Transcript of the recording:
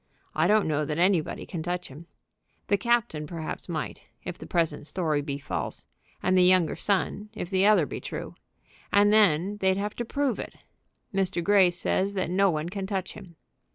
I don't know that anybody can touch him. The captain perhaps might, if the present story be false; and the younger son, if the other be true. And then they'd have to prove it. Mr. Grey says that no one can touch him."